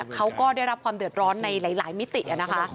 เขาก็ได้รับความเดือดร้อนในหลายมิตินะคะ